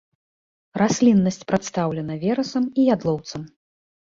Расліннасць прадстаўлена верасам і ядлоўцам.